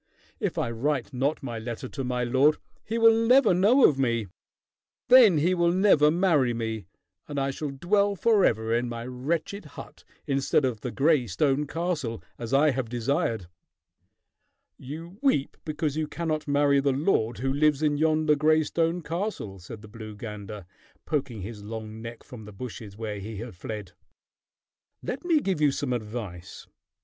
If I write not my letter to my lord, he will never know of me. Then he will never marry me, and I shall dwell forever in my wretched hut instead of the gray stone castle, as I have desired." "You weep because you cannot marry the lord who lives in yonder gray stone castle," said the blue gander, poking his long neck from the bushes where he had fled. "Let me give you some advice.